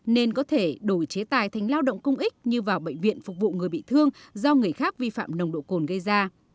nên có thể đổi chế tài thành lao động công ích như vào bệnh viện phục vụ người bị thương do người khác vi phạm nồng độ cồn gây ra